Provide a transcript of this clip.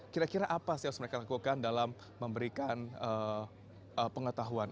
kira kira apa sih yang harus mereka lakukan dalam memberikan pengetahuan